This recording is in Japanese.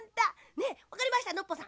ねえわかりましたノッポさん